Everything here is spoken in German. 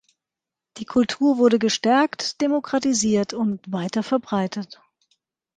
Die Kultur wurde gestärkt, demokratisiert und weiter verbreitet.